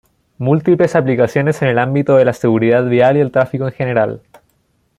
Múltiples aplicaciones en el ámbito de la seguridad vial y el tráfico en general.